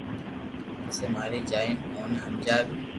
پپسي ٻاري جائين اوني ھمجاوئي